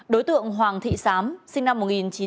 đối tượng hoàng thị xám sinh năm một nghìn chín trăm chín mươi một